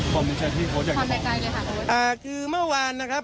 ผมไม่ใช่ที่โค้ดอย่างงี้ค่ะคือเมื่อวานนะครับ